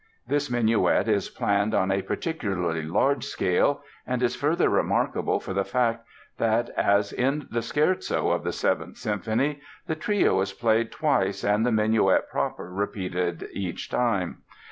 This minuet is planned on a particularly large scale and is further remarkable for the fact that, as in the Scherzo of the Seventh Symphony, the Trio is played twice and the Minuet proper repeated each time.